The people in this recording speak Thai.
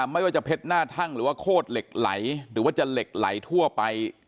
ไม่ว่าจะเพชรหน้าทั่งหรือว่าโคตรเหล็กไหลหรือว่าจะเหล็กไหลทั่วไป